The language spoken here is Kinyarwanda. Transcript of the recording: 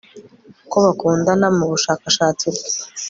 ko bakundana. mu bushakashatsi bwe